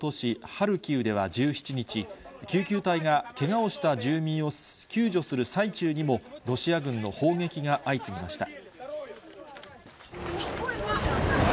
ハルキウでは１７日、救急隊がけがをした住民を救助する最中にも、ロシア軍の砲撃が相次ぎました。